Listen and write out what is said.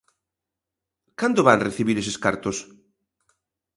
¿Cando van recibir eses cartos?